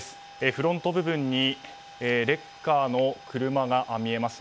フロント部分にレッカーの車が見えます。